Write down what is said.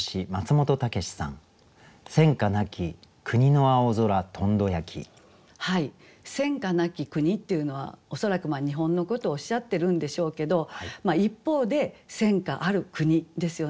「戦火なき国」っていうのは恐らく日本のことをおっしゃってるんでしょうけど一方で戦火ある国ですよね。